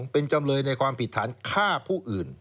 เป็นจำเลยในความผิดฐานฆ่าผู้อื่น